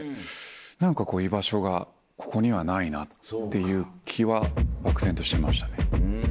何か居場所がここにはないなっていう気は漠然としてましたね。